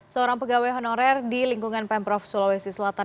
seorang pegawai honorer di lingkungan pemprov sulawesi selatan